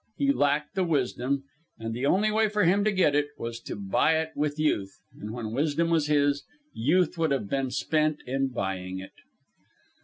He lacked the wisdom, and the only way for him to get it was to buy it with Youth; and when wisdom was his, Youth would have been spent in buying it.